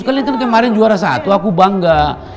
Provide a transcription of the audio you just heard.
kalian kan kemarin juara satu aku bangga